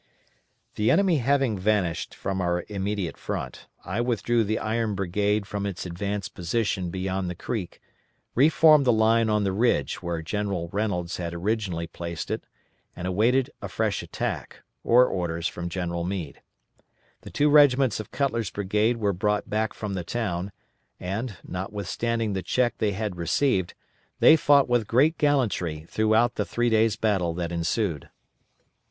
The enemy having vanished from our immediate front, I withdrew the Iron Brigade from its advanced position beyond the creek, reformed the line on the ridge where General Reynolds had originally placed it, and awaited a fresh attack, or orders from General Meade. The two regiments of Cutler's brigade were brought back from the town, and, notwithstanding the check they had received, they fought with great gallantry throughout the three days' battle that ensued.